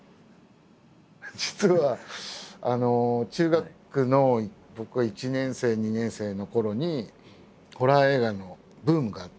実は中学の僕が１年生２年生のころにホラー映画のブームがあって。